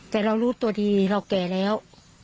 แต่เรารู้ตัวดีเราแก่แล้ว